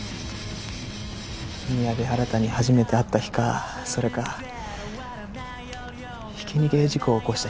宮部新に初めて会った日かそれかひき逃げ事故を起こした日かな？